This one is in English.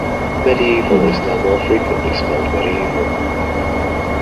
Mediaeval is now more frequently spelled medieval.